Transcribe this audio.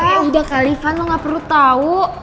ah udah kali van lo gak perlu tau